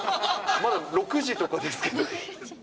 まだ６時とかですけど。